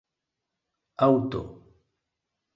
Aŭto.